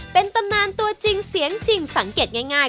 เป็นตำนานตัวจริงเสียงจริงสังเกตง่าย